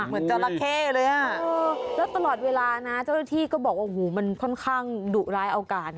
เหมือนเจ้าระเข้เลยอ่ะแล้วตลอดเวลานะเจ้าที่ก็บอกว่ามันค่อนข้างดุร้ายเอาการ